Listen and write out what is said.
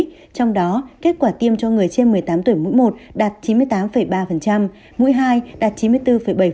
trong đó kết quả tiêm cho người trên một mươi tám tuổi mũi một đạt chín mươi tám ba mũi hai đạt chín mươi bốn bảy